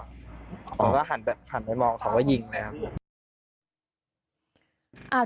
เขาก็หันไปมองเขาก็ยิงเลยครับผม